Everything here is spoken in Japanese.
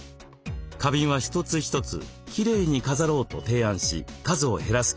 花瓶は一つ一つ「きれいに飾ろう」と提案し数を減らすこと。